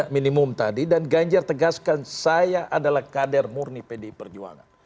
minimum tadi dan ganjar tegaskan saya adalah kader murni pdi perjuangan